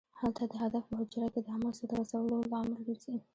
هلته د هدف په حجره کې د عمل سرته رسولو لامل ګرځي.